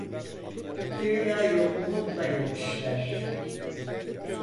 Dünyayı umutla yemişler.